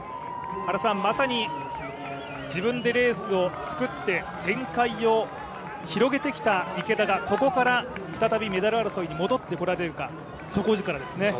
まさに自分でレースを作って展開を広げてきた池田が、ここから再びメダル争いに戻ってこられるか、底力ですね。